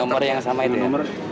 nomor yang sama itu nomor